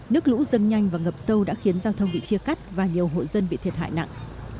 nước lũ dâng nhanh và ngập sâu đã khiến giao thông bị chia cắt và nhiều hộ dân bị thiệt hại nặng